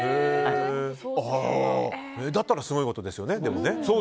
だったらすごいことですよね。